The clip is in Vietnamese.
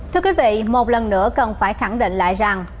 thưa quý vị một lần nữa cần phải khẳng định lại rằng